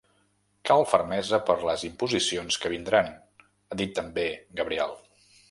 Cal fermesa per les imposicions que vindran –ha dit també Gabriel–.